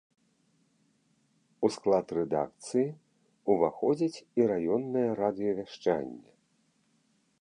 У склад рэдакцыі ўваходзіць і раённае радыёвяшчанне.